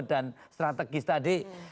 dan strategis tadi